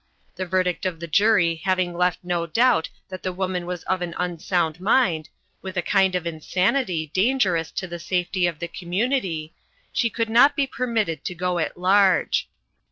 The verdict of the jury having left no doubt that the woman was of an unsound mind, with a kind of insanity dangerous to the safety of the community, she could not be permitted to go at large.